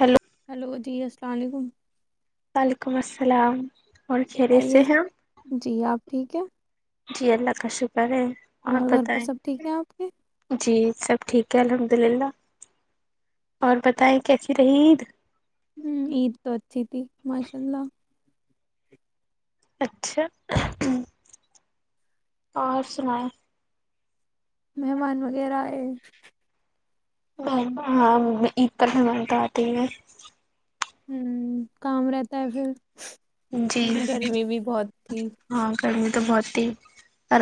hello hello جی السلام علیکم وعلیکم السلام اور کھیرے سے خیریت ہیں جی آپ ٹھیک ہے جی اللہ کا شکرہ ے اور گھر پر بتائے سب ٹھیک ہے آپ کے جی سب ٹھیک ہے الحمد للہ اور بتائیں کیسی رہیید ہوں عید تو اچھی تھی ماشاء اللہ اچھا اور سناؤ مہمان وغیرہ آئے م ہاں عید پر مہمان تو آتے ہیں ہ کام رہتا ہے پھر جی گرمی بھی بہت تھی ہاں گرمی تو بہت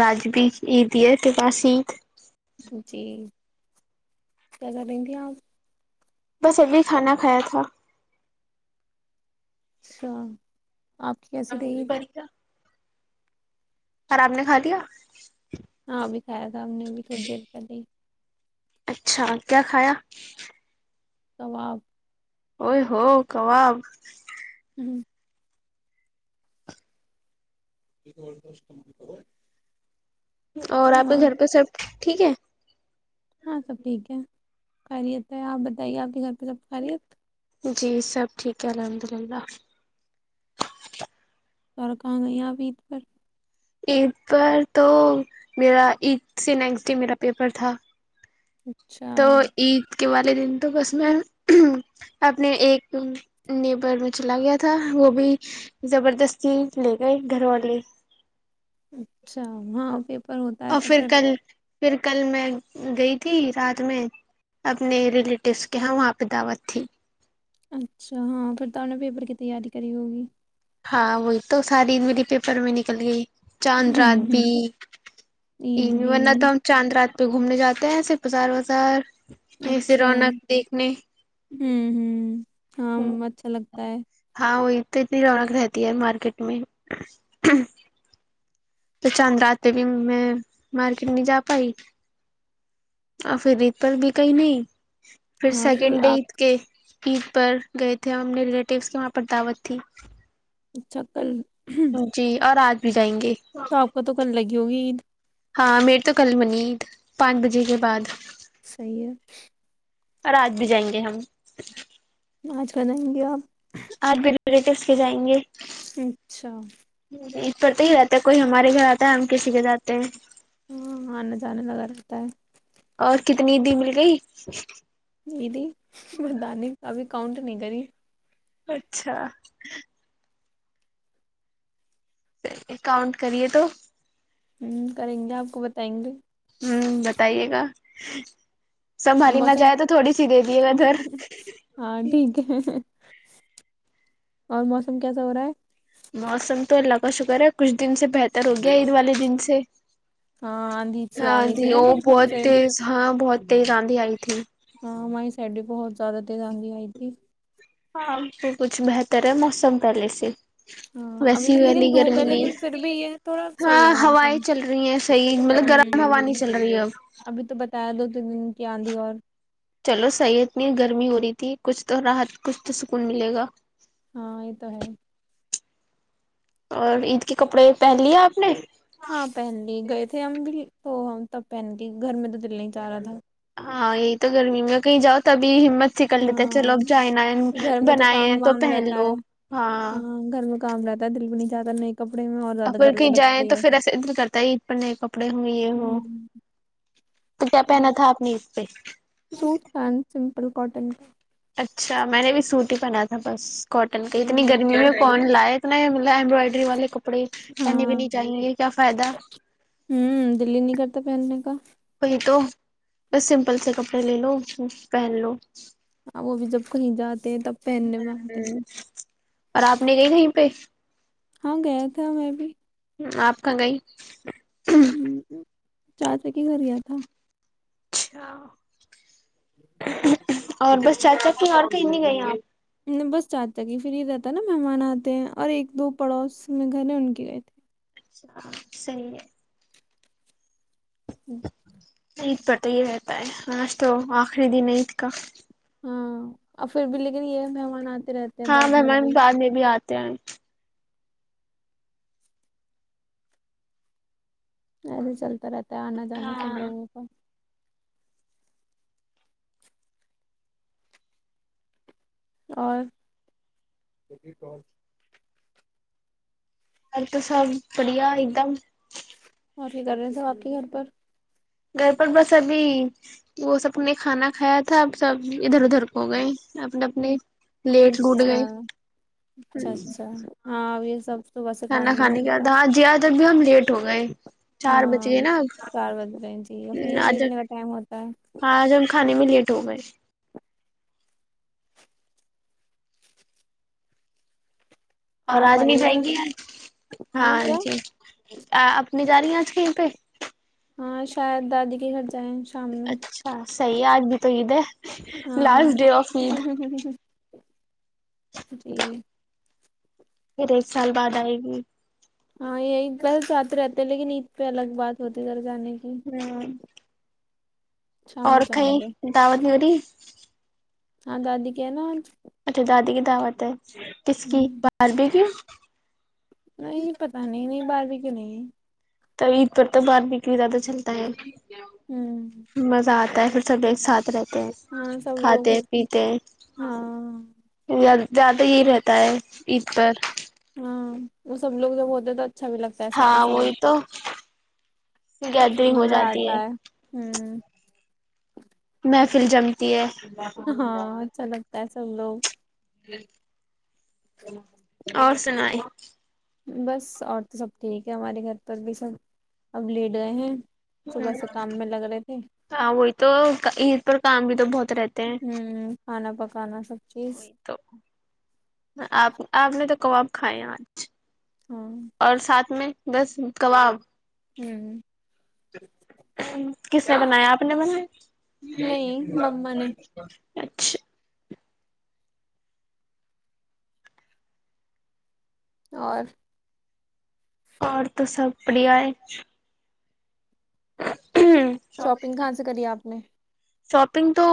رجب عید یہ کے بسید جی کیا کریں گے آپ بس ابھی کھانا کھایا تھا سو آپ کی کیسی رہ عید اورر آاب نے کھا دیا ہاں بھی کایا تھا ہم نے بھی تھوڑی دیر پہلے ہی اچھا کیا کھایا واب ائی ہو کباب ہ ج بولتاس تمار خبر اور آپ کے گھر پہ سب ٹھیک ہے ہاں سب ٹھیک ہے خریت ہے آپ بتائیے آپ کے گھر پہ سب خریت جی سب ٹھیک ہے الحمد للہ سڑ کہاں گئ ہیں اپ عید پر عید پر تو میرا ایید سے نیکسٹ ڈے میرا پیپر تھا اچھا تو عید کے والے دن تو بس میں اپنے ایک نیبر میں چلا گیا تھا وہ بھی زبردستی لے گئے گھر والے اچھا ہاں پ پر ہوتا ہے اور تو پھر کل پھر کل میں گئی تھی رات میں اپنے ریلیٹیوس کے یہاں وہاں پہ دعوت تھی اچھا ہاں پھر تو ان نے پیپر کی تیاری کری ہوگی ہاں وہی تو ساری میرے پیپر میں نکل گئی چاند رات ہوں ہوں بھی عید بھی ورنہ تو ہم چاند رات پ گھومنے جاتے ہیںسےف بزار وازار ایسے اچھا ہوں رونق دیکھنے ہوں ہاں اچھا لگتا ت [inaudible] ہ وہی تو اتنی رونق رہتی ہے مارکیٹ میں تو چاند راتتے بھی میں مارکیٹ نہیں جا پائی اور پھر عید پر بھی کہئی نہیں پھر ہاں سیکنڈ ڈے آپ اید کے عید پر گئے تھے اور ہمنے ریلیٹیوس کے وہاں پر دعوت تھی اچھا کل جی اور آج بھی جائیں گے تو آپ کا تو ک لگی ہوگی عید ہاں میرے تو کل منیید پانچ بجے کے بعد صحیح اور آج بھی جائیں گے ہم آچ کر جائیں گے آپ آ بی پیٹس کے جائیں گے اچھا اس پر تو ہی رہتا ہے کوئی ہمارے گھر آتا ہے ہم کسی کے جاتے ہیں ہاں آنے جانے لگا رہتا ہے اور کتنی دی مل گئی جیدی م دانی کابھی کاؤنٹ نہیں کری اچھا کاؤنٹ کرے تو ہوں کریں گے آپ کو بتائیں گے ہوں بتائیے گا [inaudible] سنبھالاری نہ موسم جائے تو تھوڑی سی دے دیے گا ادھر ہاں ٹھیک ہے اور موسم کیسا ہو رہا ہے موسم تو اللہ کا شکر ہے کچھ دن سے بہتر ہو گیا عید والے دن سے ہاں آندھی سی آ ہاں گئی تھی جی نا وہ تو تب بہت سے تز ہاں بہت ت آاندھی آئی تھی ہاں مائی سائڈ بہت زد رانی آئی تھی ہاں س کچھ بہتر ہے موسم پہلے سے ہاں ابھی ویسی بھی والی لیکن دھوپ گرمی ہے نہیں لیکن پھر بھی یہ تھوڑا صحیح ہے ہاں موسم ہوائیں چل رہی ہیں صحیح مطلب گرم ہوا نہیں ہ چل رہی ہے اب ابھی تو بتایا دو تین دن کی آندھی اور چلو صحیح اتنی گرمی ہو رہی تھی کچھ تو راحت کچھ تو سکون ملے گا ہاں یہ تو ہے اور عید کے کپڑے پہن لیے آپ نے ہاں پہن لی گئے تھے ہم بھی تو ہم تب پہن گ گھر میں تو دل نہیں چاہ رہا تھا ہاں یہی تو گرمی میں کہیں جاؤ تبھی ہمت اچھی کر لیتے چلو اب ہاں جائ ن گھر میں بنائے ہیں کام تو وام پہن رہتا ہے لو ہاں گھر میں کام رہتا ہے دل بھی نہیں جاتا ن اور پھر کہیں جائیں تو پھر ایسے ادھر کرتا ہے عید پر نئے کپڑے ہوں یہ ہوں تو کیا پہنا تھا آپ نےید جی سوٹ پین سمپل کاٹن اچھا میں نے بھی سوٹی پہنا تھا بس کاٹن کا اتنی گرمی ہاں میں فون لائے ایمبرائڈری والے کو کپڑے نے ہاں بھینی چاہییںے کیا فائدہ ہوں دلی نہیں کرتا پہننے کا وہی تو بس سمپل سے کپڑے لے لو پہن لو ا وہ بھی جب کہیں جات ہ اور آپ نے گئی کہیں پہ ہاں گیا تھا میں بھی آپ کہاں گئی ہ چار چکی گھر ار کھ اچھا [inaudible] اور بس چارچک کی اورار کہیں نہیں گئی ہیں بس چانج تک ہی پھر ہی رہتا نا مہمان آتے ہیں اور ایک دو پڑوس میں گھر ان کے گئے تھے اچھا صحیح ہے ہوں عید پر تو یہ رہتا ہے آج تو آخری دن عید کا ہاں اور پھر بھی لیکن یہ مہمان آتے رہتے ہیں ہاں بعد میں میم بھی بعد میں بھی آتی تے ہے نہیں نہیں چلتا رہتا آنا جانا سب ہاں لوگوں کا اور سل تو سب بڑھیا ایک دم اور یہ کر رہے ہیں س آپ کے گھر پر گھر پر بس ابھی وہ سب نے کھانا کھایا تھا اب سب ادھر ادھر ہو گئے اپنے اپنے لیٹ لوٹ اچھا گئے اچھا اچھا ہاں سب صبح سے کھانا کام میں کھانے کا لگے گا تھا جی اج جب بھی ہم لیٹ ہو گئے چار بج ہاں گئے نا اب چار بجے رہیں ج ہے پھر یہ آج لیٹنے کا ٹائم ہوتا ہے آج ہم کھانے میں لیٹ ہو گے اور آپ آجمی آئیے جائیں گا گے آج ہاں جی آ ج رہی ہیں اج کہیں پہ ہاں ہاں شاید دادی کے گھر جائیں شام میں اچھا صحیح ہے اج بھی تو عید ہے ہاں لاسٹ ڈے آف عید ہم ہم ہم جی پھر ایک سال بعد ائے گی ہاں یہی انسان ساتھ رہتا ہے لیکن عید پہ الگ بات ہوتیر جانے کے ہ اور کہیں دعوت ملی [inaudible] ہاں دادی کے یہاں ہے نا اچھا دادی کی دعوت ہے کس کی ہوں، باربی کیو نہیں پتا نہیں نہیں باربی کیو نہیں ہے تو عید پر تو باربیکیو بھی زیادہ چلتا ہے ہوں مزہ آتا ہے پھر سب ایک سات رہ ہاں سب لوگ کھاتے ہیں پیتے ہیں ہاں لڑتے زیادہ یہ رہتا ہے عید پر ہاں وہ سب لوگ جب ہوتے تو اچھا بھی لگتا ہے سب ہاں کے وہی ساتھ تو گیدرنگ ہو مزہ جاتی آتا ہے ہے محفل جمتی ہے ہاں چلو ا سب لوگ [inaudible] اور سنائی بس اور تو سب ٹھیک ہے ہمارے گھر پر بھی سب اب لیٹ گئے ہیں ہ صبح سے کام میں لگ رہے تھے ہاں وہی تو پر کام بھی تو بہت رہتا ہوں کھانا پکانا سب چیز وہئی تو آپ آپ نے تو کباب کھائےآج ہاں اور ساتھ میں بس کباب ہوں [inaudible] کس نے بنایا آپ نے نہیں مما نے م اور اور تو سب پریا ہے شاپنگ کہاں سے کری آپ نے شاپنگ تو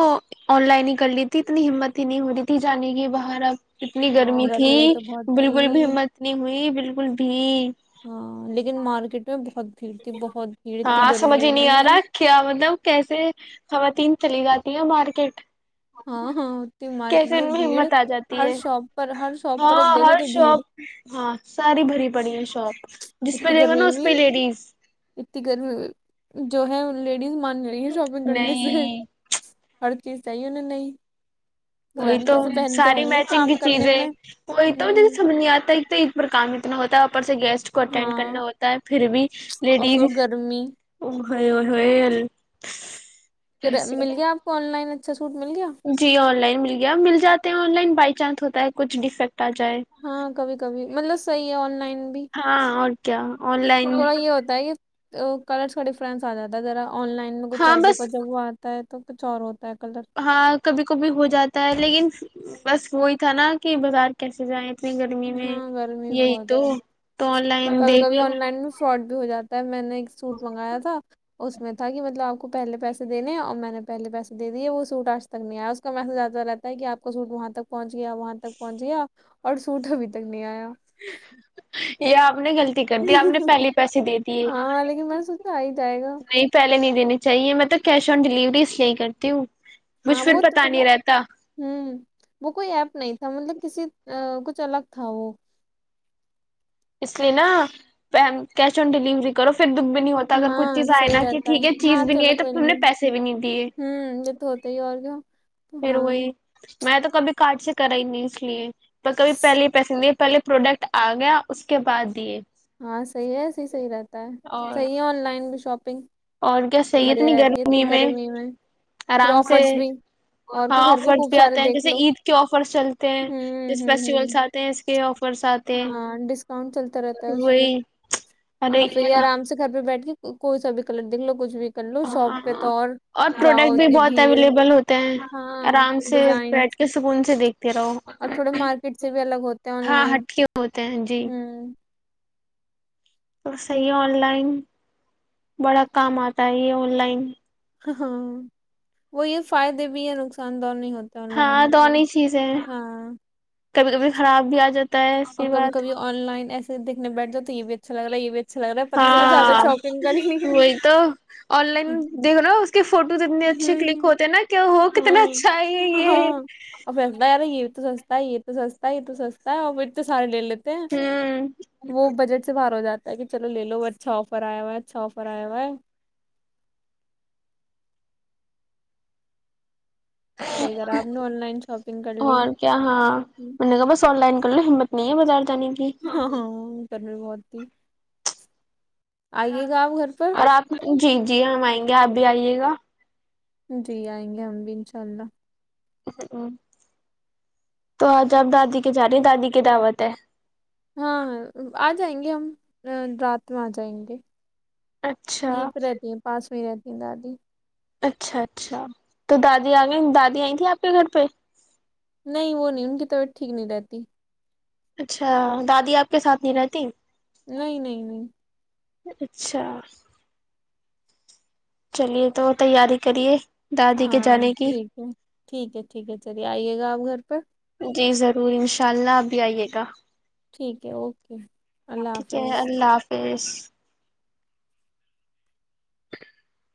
آن لائن ہی کر لی تھی اتنی ہمت ہی نہیں ہو رہی تھی جانے کی باہر اب اتنی ہاں گرمی گھر تھی میں بھی تو بہت تھی بالکل بھی ہمت نہیں ہوئی بالکل بھی ہاں لیکن مارکیٹ میں بہت بھیڑ تھی بہت بھیڑ تھی ہاں سمجھ گرمی ہی نہیں بھی آ رہا کیا مطلب کیسے خواتین چلی جاتی ہیں مارکیٹ ہاں ہاں مارکیٹ کیسے ان میں بھیڑ ہمت آ جاتی ہر ہے شاپ پر ہر شاپ پر ہاں دیکھو ہر تو بھیڑ شاپ ہاں ساری بھری پڑی ہے شاپ جس پہ اتنی دیکھو گرمی نا اس پہ بھی لیڈیز اتنی گرمی جو ہے مان رہی ہیں شاپنگ کرنے سے نہیں ہ چیز چاہیے انہوں نہیں پتا وہی نہیں تو کیسے پہنتے ساری ہوں گے میچنگ کی کام کرنے چیزیں میں وہی توے ہوں سمجھ نہیں آتا تو عید پر کام اتنا ہوتا ہے اوپر گیسٹ کو اٹینڈ ہاں کرنا ہوتا ہے پھر بھی اور لیڈیز پھر گرمی ہو ہول پھر مل گیا آپ کو آن لائن سوٹ مل گیا جی آن لائن مل اب مل جاتے ہیں آن لائن بائی چانس ہوتا ہے کھ ڈیفیکٹ آ جائے ہاں کبھی کبھی مطلب صحیح ہے آن لائن بھی ہاں اور کیا آن لائن تھوڑا یہ ہوتا ہے کہ تو کلرس کا ڈفرنس آ جاتا ہے ذرا آن لائن میں کچھ ہاں اور دیکھ بس جب وہ آتا ہے تو ک چار ہاں کبھی کبھی ہو جاتا ہے لیکن بس وہی تھا نا کہ بازار کیسے جائیں اتنی گرمی میں ہاں گرمی یہی بہت تو ہے تو آن لائن کبھی دیکھ کبھی لو آن لائن میں فراڈ ہو جاتا ہے میں نے ایک سوٹ منگایا تھا اس میں تھا کہ مطلب آپ کو پہلے پیسے دینے اور میں نے پہلے پیسے د دیے وہ سوٹ آج تک نہیں آیا اس کا میسا رہتا ہے کہ آپ کا سوٹ وہاں تک پہنچ گیا وہاں تک پہنچ گیا اور سھٹ ابھی تک نہیں آیا [inaudible] یہ آپ نے کھیل کرتی آپ نے پہلے پیسے دے دیے ہاں لیکن میں نے سوچا آ ہی جائے گا نہیں پہلے نہیں دینی چاہیے میںطلب کیش آن ڈلیوری اس لیے ہی کرتی ہوں ہاں مجھ وہ پھر پتا نہیں رہتا ہ وہ کوئی ایپ نہیں تھا مطلب کسی کچھ الگ کاؤ اس لیے نا کیش آن ڈیلیوری کرو پھر دکھ بھی نہیں ہوتا اگر کچھ ہاں چیز آئے صحیح نا کہ رہتا ٹھیک ہے چیز ہاں بھی نہیں چلو آئی تو کوئی تم نے پیسے بھی نہیں دیے ہوں یہ تو ہوتا ہی ہے اور کیا پھر ہاں وہی میں تو کبھی کارٹ سے کرا ہی نہیں اس لیے پر کبھی پہلے پیسے دیے پہلے پروڈکٹ آ گیا اس کے بعد دیے ہاں صحیح ہے ایسی صحی رہتا ہے اور صحیح ہے آن لائن شاپنگ اور کیا صحیح بڑھیا اتنی رہتی ہے اتنی گرمی میں پھر آرام سے آفرس بھی اور ہاں کے گھر پہ آفرس خوب بھی سارے آتے ہیں دیکھ جیسے لو عید کے آفرس چلتے ہیں ہوں جیس ہوں ہوں فیسٹیولس آتے ہیں اس کے آفر ہاں ڈسکاؤنٹ چلتا رہتا ہے اس پہ وہی ارے اور پھر یہ ہاں آرام سے گھر پہ بیٹھ کے کوئی سا بھی کلر دیکھ لو کچھ بھی کر لو شاپ پہ ہاںاں تو اور جاؤ پروڈکٹ بھی اتنی بہت بھیڑ اویلیبل ہوتے ہیں ہاں آرام سے ڈیزائن بیٹھ کے سکون سے دیکھتے رہو اور تھوڑے مارکیٹ سے بھی الگ ہوتے ہیں آن ہاں لائن ہٹ ہوتے ہیں جی ہوں تو صحیح ہے آن لائن بڑا کام آتا ہے یہ آن لائن ہاں وہی فائدے بھی ہے نقصان دہ نہیں ہو لن ہاں آف دونوں چیزیں ہیں ہاں کبھی کبھی خراب بھی آ جاتی تی سی اور کبھی بات کبھی آن لائن ایسے دیکھنے بیٹھجاو تو یہ بھی اچھا لگ رہا یہ بھی اچھا لگ رہا ہے پتہ چلا زیادہ ہاں شاپنگ کر لی وہی تو آن لائن دیکھ لو اس کے فوٹوز اتنے اچھے کلک ہوں ہوتے ہے نہ کہ ہو کتنا ہاں اچھا ہے یہ ہاں اور پھر لگتا ہے یار یہ تو سستا ہے یہ تو سستا ہے یہ تو سستا ہے اور پھر تو سارے لے لیتے ہیں ہوں وہ بجٹ سے باہر ہو جاتے کہ چلو لے لو اچھا آفر آیا ہوا ہے اچھا آفر آیا ہوا ہے صحیح کرا آپ نے آن لائن شاپنگ کر لی اور کیا ہاں میں نے کہا بس آن لائن کر لو ہمت نہیںی بز ت نہیں بھی ہاں ہاں گرمی بہت تھی آئیے گا آپ گھر پر اور آپ جی جی ہم آئیں گے آپ بھی آئیے گا جی آئیں گے ہم بھی انشا انشاء اللہ تو آج آپ دادی کے جا رہی ہیں دادی کی دعوت ہے ہاں ہاں آ جائیں گے ہم رات میں آ جائیں گے اچھا یہیں پہ رہتی ہیں پاس میں رہتی دادی اچھا اچھا تو دادی آ گئی دادی آئی تھی آپ کے گھر پہ نہیں وہ نہیں ان کی طبیعت ٹھیک نہیں رہتی اچھا دادی آپ کے ساتھ نہیں رہتی نہیں نہیں نہیں اچھا چلیے تو تیاری کریے دادی کے ہاں جانے کی ٹھیک ہے ٹھیک ہے ٹھیک ہے چلیے آئیے گا آپ گھر پہ تو انشاء اللہ اپ بھی آئیے گا ٹھیک ہے اوکے اللہ ٹھیک ہے حافظ اللہ [inaudible] [inaudible]